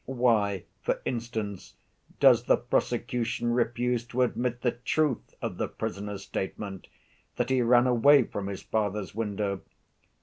Why, for instance, does the prosecution refuse to admit the truth of the prisoner's statement that he ran away from his father's window?